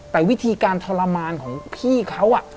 แต่วิธีการทรมานของพี่เขา